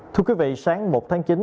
thưa quý vị sáng một tháng chín